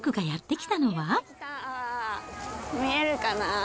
見えるかな。